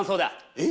えっ？